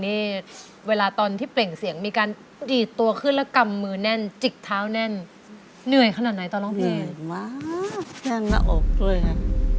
เหนื่อยมากแน่งหน้าอกเลยค่ะ